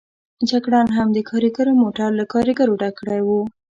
جګړن هم د کاریګرو موټر له کاریګرو ډک کړی و.